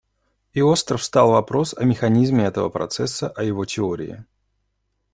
И остро встал вопрос о механизме этого процесса, о его теории.